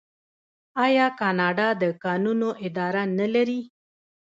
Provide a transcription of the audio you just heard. آیا کاناډا د کانونو اداره نلري؟